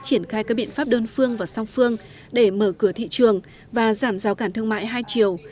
triển khai các biện pháp đơn phương và song phương để mở cửa thị trường và giảm giao cản thương mại hai triệu